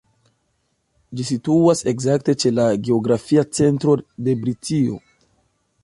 Ĝi situas ekzakte ĉe la geografia centro de Britio.